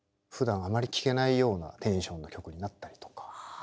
ふだんあまり聴けないようなテンションの曲になったりとか。